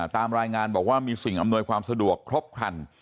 ตามรายงานบอกว่ามีสิ่งอำนวยความสะดวกครบครัน